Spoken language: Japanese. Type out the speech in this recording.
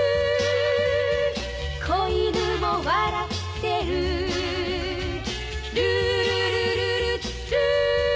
「小犬も笑ってる」「ルールルルルルー」